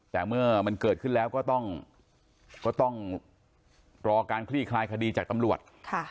แต่เมื่อมันเกิดขึ้นแล้วก็ต้องรอการคลี่คลายคดีจากตำรวจ